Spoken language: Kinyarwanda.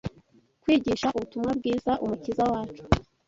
kwigisha ubutumwa bwiza Umukiza wacu